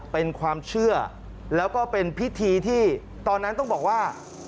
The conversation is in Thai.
เป็นความเชื่อแล้วก็เป็นพิธีที่ตอนนั้นต้องบอกว่า